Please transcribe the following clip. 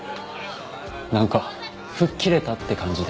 なんか吹っ切れたって感じで。